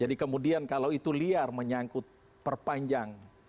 jadi kemudian kalau itu liar menyangkut perpanjang